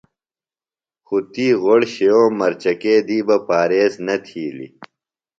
خو تی غوۡڑ شِیوم مرچکے دی بہ پاریز نہ تِھیلیۡ۔